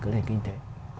cái nền kinh tế